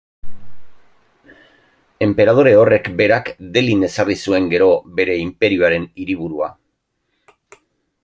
Enperadore horrek berak Delhin ezarri zuen gero bere inperioaren hiriburua.